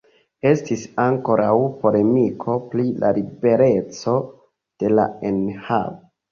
Estis ankoraŭ polemiko pri la libereco de la enhavo.